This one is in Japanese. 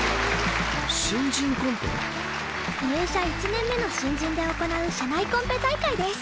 入社１年目の新人で行う社内コンペ大会です。